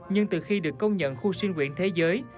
nhưng từ khi được công nhận khu sinh quyển thế giới